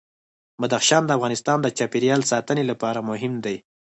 بدخشان د افغانستان د چاپیریال ساتنې لپاره مهم دي.